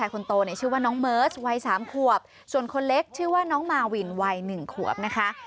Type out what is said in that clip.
๑ขวบส่วนคนเล็กชื่อว่าน้องมาวินวัย๑ขวบนะคะ